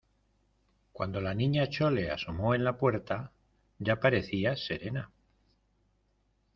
cuando la Niña Chole asomó en la puerta, ya parecía serena.